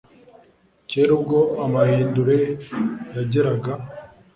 Kera ubwo amahindure yageraga